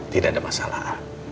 tidak ada masalah